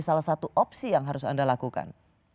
salah satu opsi yang harus anda lakukan